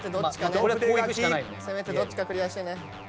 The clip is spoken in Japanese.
どっちかクリアしてね。